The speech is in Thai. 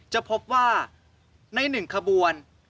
จะพบว่าใน๑ขบวน